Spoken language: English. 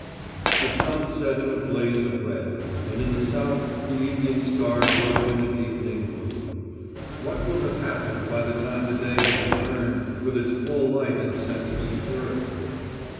The sun set in a blaze of red, and in the south the evening star glowed in a deepening blue. What will have happened by the time the day has returned with its full light and sense of security?